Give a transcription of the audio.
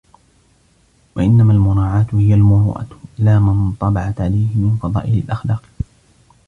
وَإِنَّمَا الْمُرَاعَاةُ هِيَ الْمُرُوءَةُ لَا مَا انْطَبَعَتْ عَلَيْهِ مِنْ فَضَائِلِ الْأَخْلَاقِ